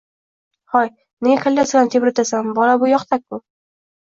Hoy, nega kolyaskani tebratasan, bola bu yoqda-ku